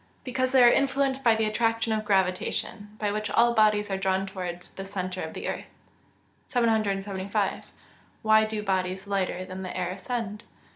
_ Because they are influenced by the attraction of gravitation, by which all bodies are drawn towards the centre of the earth. 775. _Why do bodies lighter than the air ascend?